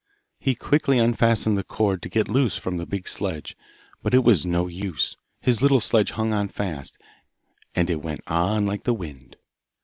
He quickly unfastened the cord to get loose from the big sledge, but it was of no use; his little sledge hung on fast, and it went on like the wind.